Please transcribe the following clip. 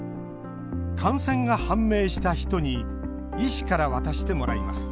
感染が判明した人に医師から渡してもらいます。